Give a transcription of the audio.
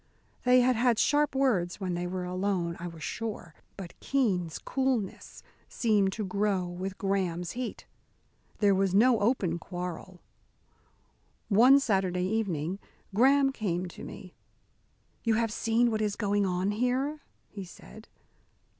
They had had sharp words when they were alone, I was sure, but Keene's coolness seemed to grow with Graham's heat. There was no open quarrel. One Saturday evening, Graham came to me. "You have seen what is going on here?" he said.